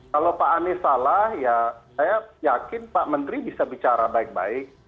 kalau pak anies salah ya saya yakin pak menteri bisa bicara baik baik